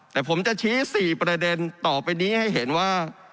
แต่ผมจะชี้๔ประเด็นต่อไปนี้ให้เห็นว่า